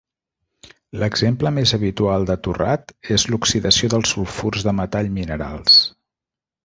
L'exemple més habitual de torrat és la oxidació dels sulfurs de metall minerals.